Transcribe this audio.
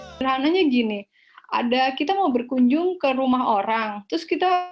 pembelajaran dari pemerintah indonesia